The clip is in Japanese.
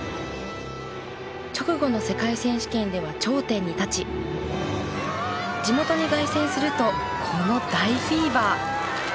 直後の世界選手権では頂点に立ち地元に凱旋するとこの大フィーバー。